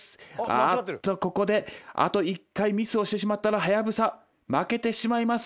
あっとここであと１回ミスをしてしまったらハヤブサ負けてしまいます。